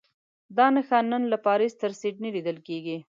دا نښه نن له پاریس تر سیډني لیدل کېږي.